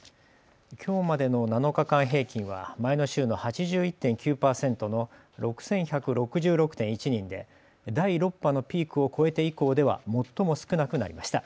きょうまでの７日間平均は前の週の８１．９％の６１６６．１人で第６波のピークを越えて以降では最も少なくなりました。